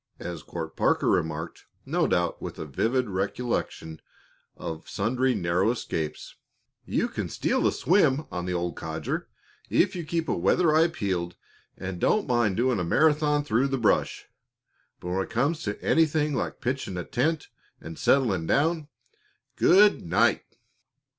As Court Parker remarked, no doubt with a vivid recollection of sundry narrow escapes: "You can steal a swim on the old codger if you keep a weather eye peeled and don't mind doing a Marathon through the brush; but when it comes to anything like pitching a tent and settling down good night!"